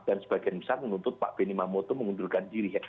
dan sebagian besar menuntut pak benny mamoto mengundurkan diri